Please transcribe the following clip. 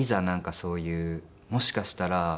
そういうもしかしたら。